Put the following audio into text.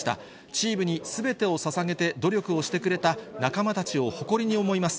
チームにすべてをささげて努力をしてくれた仲間たちを誇りに思います。